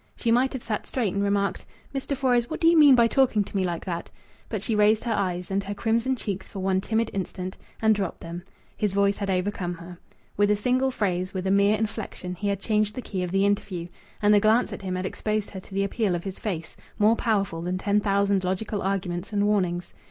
She might have sat straight and remarked: "Mr. Fores, what do you mean by talking to me like that?" But she raised her eyes and her crimson cheeks for one timid instant, and dropped them. His voice had overcome her. With a single phrase, with a mere inflection, he had changed the key of the interview. And the glance at him had exposed her to the appeal of his face, more powerful than ten thousand logical arguments and warnings.